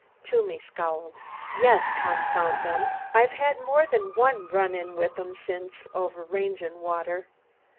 Toomey scowled. "Yes, confound 'em! I've had more than one 'run in' with 'em since over range and water.